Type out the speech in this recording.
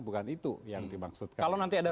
bukan itu yang dimaksud kalau nanti ada